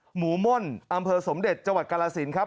หมูม่นอำเภอสมเด็จจกรสินครับ